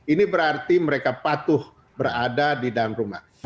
ini berarti mereka patuh berada di dalam rumah